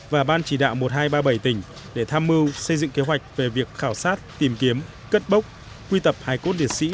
và ban chỉ đạo một nghìn hai trăm ba mươi bảy tỉnh để tham mưu xây dựng kế hoạch về việc khảo sát tìm kiếm cất bốc quy tập hải cốt liệt sĩ